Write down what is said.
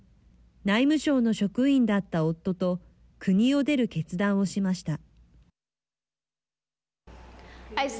内務省の職員だった夫と国を出る決断をしました。